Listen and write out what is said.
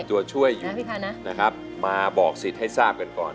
ตัวช่วยอยู่นะครับมาบอกสิทธิ์ให้ทราบกันก่อน